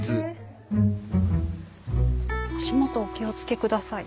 足元お気を付け下さい。